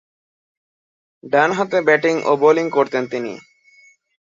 ডানহাতে ব্যাটিং ও বোলিং করতেন তিনি।